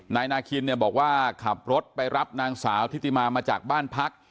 นายนาคินเนี่ยบอกว่าขับรถไปรับนางสาวทิติมามาจากบ้านพัก